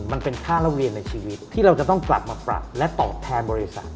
มันเป็นค่าระเวียนในชีวิตที่เราจะต้องกลับมาปรับและตอบแทนบริษัท